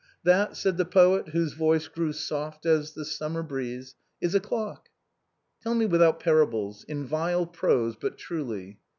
" That," said the poet, whose voice grew soft as the sum mer breeze, " is a clock." " Tell me without parables — in vile prose, but truly."